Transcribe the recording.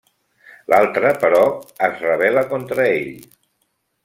L'altra, però, es rebel·là contra ell.